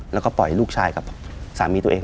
แล้วก็ปล่อยลูกชายกับสามีตัวเอง